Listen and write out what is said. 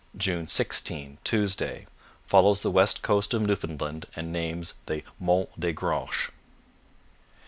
" 16 Tuesday Follows the west coast of Newfoundland and names the Monts des Granches.